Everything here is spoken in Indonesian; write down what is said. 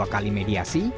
dua kali mediasi